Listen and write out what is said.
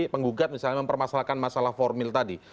penggugat misalnya mempermasalahkan masalah formil tadi